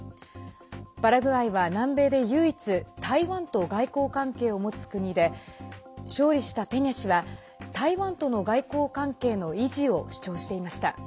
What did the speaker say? パラグアイは南米で唯一台湾と外交関係を持つ国で勝利したペニャ氏は台湾との外交関係の維持を主張していました。